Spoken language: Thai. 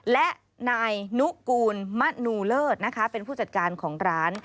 และนายนุกูลมูเลิศนะคะเป็นผู้จัดการของร้าน